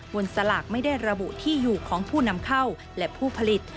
สลากไม่ได้ระบุที่อยู่ของผู้นำเข้าและผู้ผลิต